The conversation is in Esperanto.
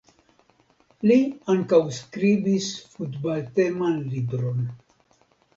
Li ankaŭ skribis futbalteman libron.